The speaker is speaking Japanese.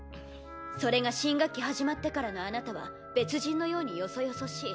それが新学期始まってからのあなたは別人のようによそよそしい。